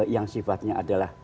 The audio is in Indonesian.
yang sifatnya adalah